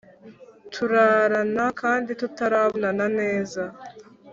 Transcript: Turarana kandi tutarabonana neza